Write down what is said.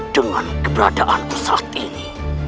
dengan keberadaanku saat ini